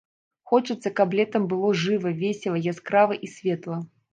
Хочацца, каб летам было жыва, весела, яскрава і светла.